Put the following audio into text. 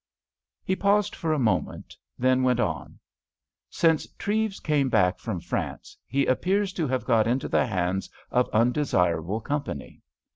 He paused for a moment, then went on: "Since Treves came back from France, he appears to have got into the hands of undesirable company.